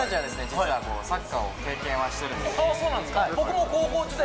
実はサッカーを経験はしてるんでそうなんですか